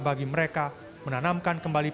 bagi mereka menanamkan kembali